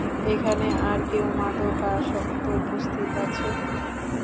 এখানে আর কেউ মাদকাসক্ত উপস্থিত আছে?